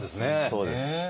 そうです。